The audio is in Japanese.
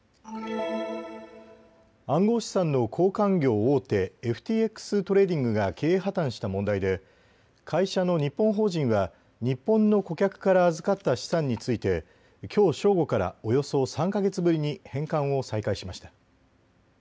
暗号資産の交換業大手、ＦＴＸトレーディングが経営破綻した問題で会社の日本法人は日本の顧客から預かった資産についてきょう正午からおよそ３か月ぶりに返還を再開しました。